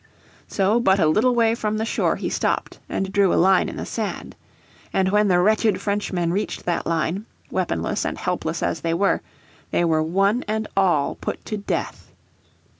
So but a little way from the shore he stopped, and drew a line in the sand. And when the wretched Frenchmen reached that line, weaponless and helpless as they were, they were one and all put to death.